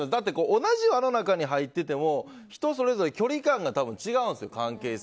同じ輪の中に入ってても人それぞれ距離感が多分違うんですよ。